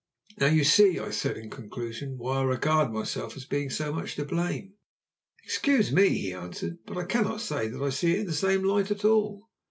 "Now you see," I said in conclusion, "why I regard myself as being so much to blame." "Excuse me," he answered, "but I cannot say that I see it in the same light at all."